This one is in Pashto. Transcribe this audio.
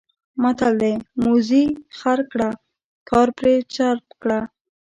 متل دی: موزي خر کړه کار پرې چرب کړه.